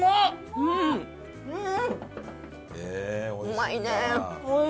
うまいね！